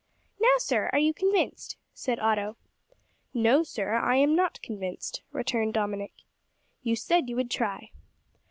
"Now, sir, are you convinced?" said Otto. "No, sir, I am not convinced," returned Dominick. "You said you would try."